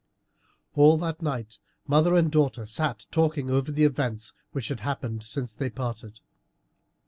All that night mother and daughter sat talking over the events which had happened since they parted.